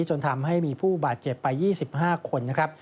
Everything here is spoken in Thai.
จนทำให้มีผู้บาดเจ็บไป๒๕คนนะครับ